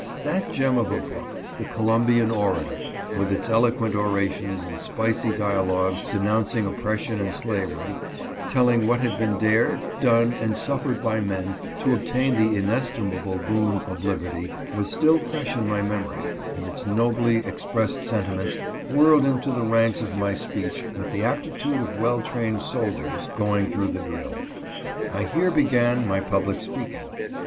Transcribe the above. That gem of a bookr the Columbian Orator, with its eloquent orations and spicy dialogues denouncing oppression and slavery — tell ing what had been dared, done, and suffered by men, to obtain the inestimable boon of liberty, — was still fresh in my memory, and its nobly expressed sentiments whirled into the ranks of my speech with the aptitude of well trained soldiers going through the drill. I here began my public speaking.